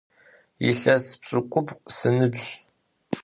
Yilhes pş'ık'ubl sınıbj.